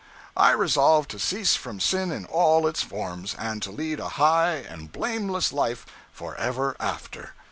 I resolved to cease from sin in all its forms, and to lead a high and blameless life for ever after.